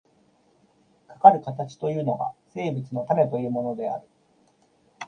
かかる形というのが、生物の種というものである。